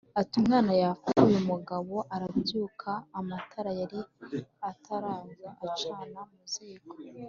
ati: "Umwana yapfuye." Umugabo arabyuka, amatara yari ataraza, acana mu ziko.